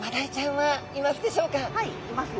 はいいますよ。